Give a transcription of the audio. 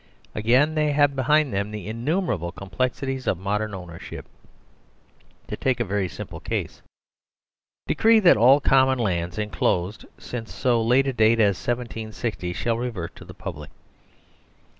Again, they have behind them the innumerable complexities of modern own ership. To take a very simple case. Decree that all com mon lands enclosed since so late a date as 1760 shall revert to the public.